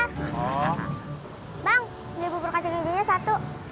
bang beli bubur kacang hijaunya satu